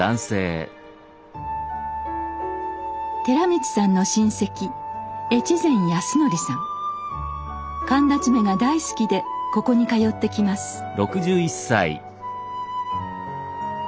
寺道さんの親戚寒立馬が大好きでここに通ってきます。